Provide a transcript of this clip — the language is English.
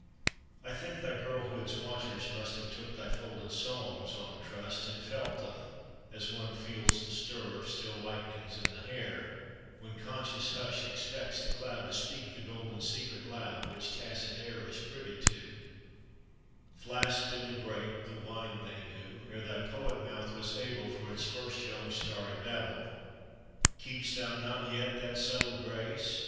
I think thy girlhood's watchers must Have took thy folded songs on trust, And felt them, as one feels the stir Of still lightnings in the hair, When conscious hush expects the cloud To speak the golden secret loud Which tacit air is privy to; Flasked in the grape the wine they knew, Ere thy poet mouth was able For its first young starry babble. Keep'st thou not yet that subtle grace?